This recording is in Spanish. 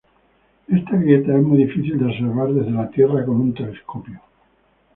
Esta grieta es muy difícil de observar desde la Tierra con un telescopio.